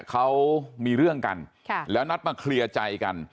เขามีเรื่องกันแล้วนัดมาเคลียร์ใจกัน